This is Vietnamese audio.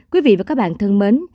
quý vị và các bạn thân mến